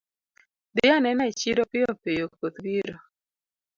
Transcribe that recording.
Dhi anena e chiro piyo piyo koth biro